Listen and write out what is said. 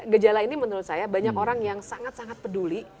gejala ini menurut saya banyak orang yang sangat sangat peduli